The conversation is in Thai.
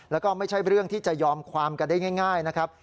แล้วก็ไม่ใช่เรื่องที่จะยอมความกันได้ง่ายนะครับ